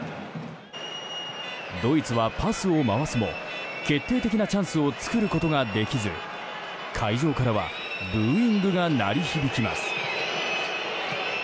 ドイツはパスを回すも決定的なチャンスを作ることができず会場からはブーイングが鳴り響きます。